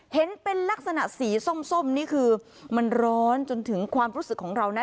เห็นเป็นลักษณะสีส้มนี่คือมันร้อนจนถึงความรู้สึกของเรานะ